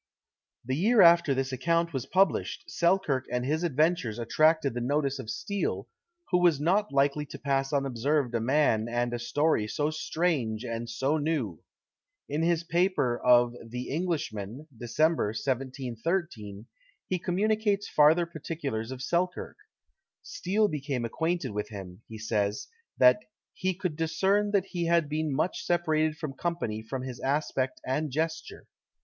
The year after this account was published, Selkirk and his adventures attracted the notice of Steele, who was not likely to pass unobserved a man and a story so strange and so new. In his paper of "The Englishman," Dec. 1713, he communicates farther particulars of Selkirk. Steele became acquainted with him; he says, that "he could discern that he had been much separated from company from his aspect and gesture.